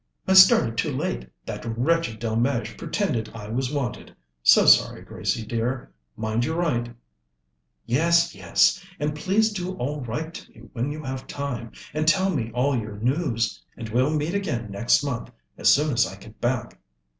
"I started too late that wretched Delmege pretended I was wanted so sorry, Gracie dear. Mind you write." "Yes, yes. And please do all write to me when you have time, and tell me all your news. And we'll meet again next month, as soon as I get back."